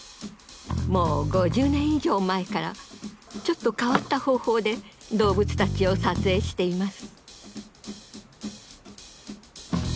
もう５０年以上前からちょっと変わった方法で動物たちを撮影しています。